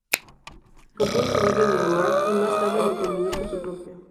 Compró un herbario de Lamarck, y más tarde lo combinó con su propio.